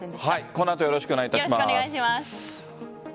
この後よろしくお願いします。